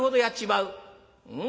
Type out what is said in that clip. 「うん。